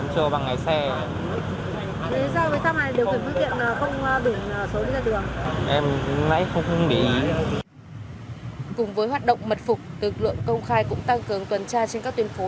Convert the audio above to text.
cùng với hoạt động mật phục tướng luận công khai cũng tăng cường tuần tra trên các tuyến phố